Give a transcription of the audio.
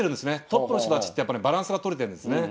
トップの人たちってやっぱりバランスが取れてるんですね。